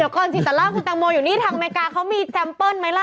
ก่อนสิซาร่าคุณแตงโมอยู่นี่ทางอเมริกาเขามีแจมเปิ้ลไหมล่ะ